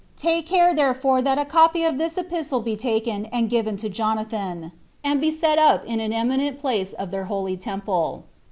Take care therefore that a copy of this epistle be taken, and given to Jonathan, and be set up in an eminent place of their holy temple.'"